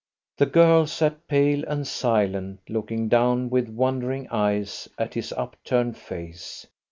The girl sat pale and silent, looking down with wondering eyes at his upturned face.